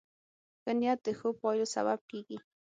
ښه نیت د ښو پایلو سبب کېږي.